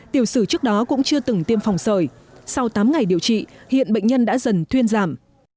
tiểu sử trước đó cũng chưa từng tiêm phòng sởi sau tám ngày điều trị hiện bệnh nhân đã dần thuyên giảm